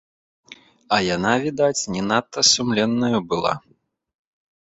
А яна, відаць, не надта сумленнаю была.